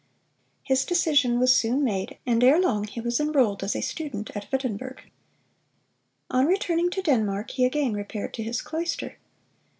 His decision was soon made, and erelong he was enrolled as a student at Wittenberg. On returning to Denmark, he again repaired to his cloister.